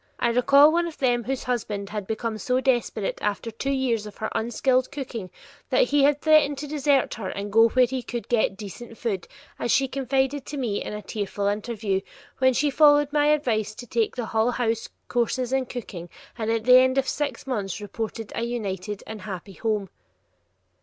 I recall one of them whose husband had become so desperate after two years of her unskilled cooking that he had threatened to desert her and go where he could get "decent food," as she confided to me in a tearful interview, when she followed my advice to take the Hull House courses in cooking, and at the end of six months reported a united and happy home.